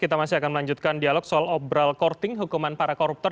kita masih akan melanjutkan dialog soal obral courting hukuman para koruptor